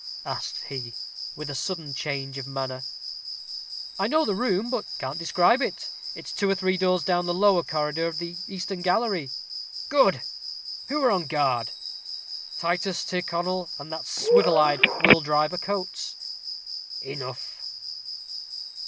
asked he, with a sudden change of manner. "I know the room, but can't describe it; it's two or three doors down the lower corridor of the eastern gallery." "Good. Who are on guard?" "Titus Tyrconnel and that swivel eyed quill driver, Coates." "Enough."